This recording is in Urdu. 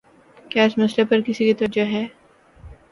کیا اس مسئلے پر کسی کی توجہ ہے؟